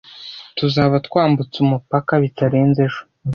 Tuzaba twambutse umupaka bitarenze ejo.